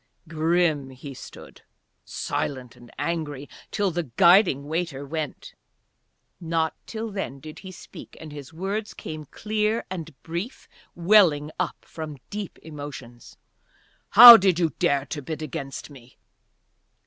Grim he stood, silent and angry, till the guiding waiter went. Not till then did he speak, and his words came clear and brief, welling up from deep emotions. "How did you dare to bid against me?"